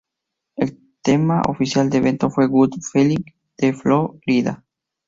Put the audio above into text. El tema oficial del evento fue ""Good Feeling"" de Flo Rida.